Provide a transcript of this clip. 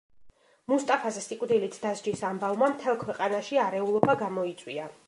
მუსტაფას სიკვდილით დასჯის ამბავმა მთელ ქვეყანაში არეულობა გამოიწვია.